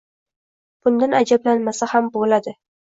Bundan ajablanmasa ham bo'ladi.